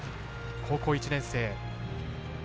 高校１年生。